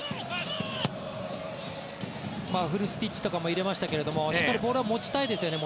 フルスティッチとかも入れましたけどもしっかりボールは持ちたいですね